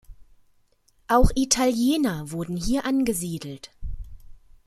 Auch Italiener wurden hier angesiedelt.